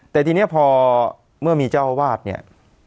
แต่ทีนี้พอเมื่อมีเจ้าอาวาสเนี่ย